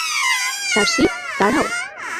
সার্সি, দাঁড়াও!